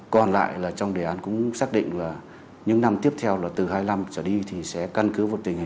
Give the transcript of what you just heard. còn lại trong đề án cũng xác định là những năm tiếp theo là từ hai nghìn hai mươi năm trở đi thì sẽ căn cứ vận tình